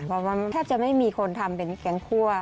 เพราะมันแทบจะไม่มีคนทำเป็นแกงคั่ว